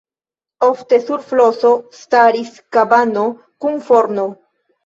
Ofte sur floso staris kabano kun forno.